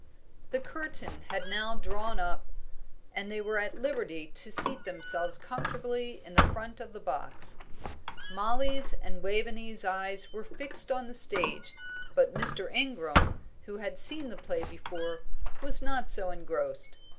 The curtain had now drawn up, and they were at liberty to seat themselves comfortably in the front of the box. Mollie's and Waveney's eyes were fixed on the stage, but Mr. Ingram, who had seen the play before, was not so engrossed.